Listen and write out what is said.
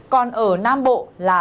còn ở nam bộ là